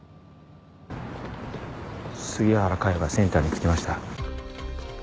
杉原佳代がセンターに着きました。